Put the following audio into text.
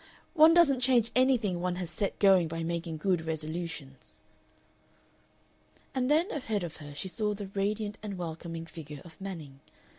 One doesn't change anything one has set going by making good resolutions." And then ahead of her she saw the radiant and welcoming figure of Manning.